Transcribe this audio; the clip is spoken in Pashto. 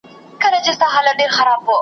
پر هغي لاري به وتلی یمه .